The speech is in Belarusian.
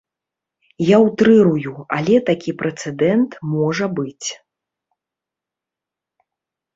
Я ўтрырую, але такі прэцэдэнт можа быць.